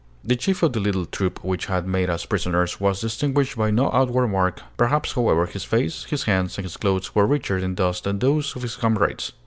The chief of the little troop which had made us prisoners was distinguished by no outward mark. Perhaps, however, his face, his hands, and his clothes were richer in dust than those of his comrades.